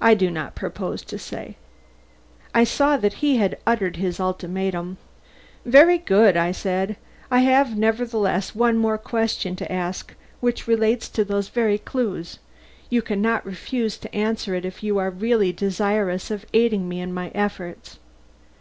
I do not propose to say." I saw that he had uttered his ultimatum. "Very good," said I. "I have, nevertheless, one more question to ask which relates to those very clues. You can not refuse to answer it if you are really desirous of aiding me in my efforts.